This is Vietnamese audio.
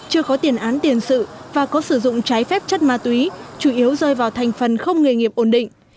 chưa có tiền án tiền sự và có sử dụng trái phép chất ma túy chủ yếu rơi vào thành phần không nghề nghiệp ổn định